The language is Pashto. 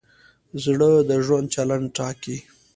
زړه د ژوند چلند ټاکي.